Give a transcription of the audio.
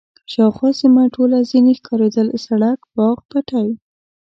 شاوخوا سیمه ټوله ځنې ښکارېدل، سړک، باغ، پټی.